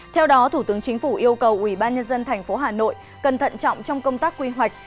theo đó thủ tướng chính phủ yêu cầu ủy ban nhân dân thành phố hà nội cần thận trọng trong công tác quy hoạch